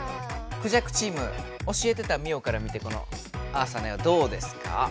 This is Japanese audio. クジャクチーム教えてたミオから見てこのアーサーの絵はどうですか？